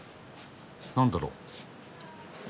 何だろう？